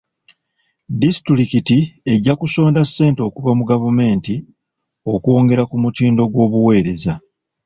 Disitulikiti ejja kusonda ssente okuva mu gavumenti okwongera ku mutindo gw'obuweereza.